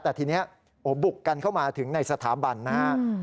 แต่ทีนี้บุกกันเข้ามาถึงในสถาบันนะฮะ